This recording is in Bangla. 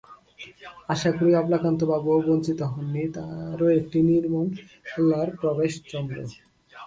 আশা করি অবলাকান্তবাবুও বঞ্চিত হন নি, তাঁরও একটি– নির্মলার প্রবেশ চন্দ্র।